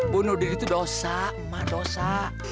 bunuh diri itu dosa emak dosa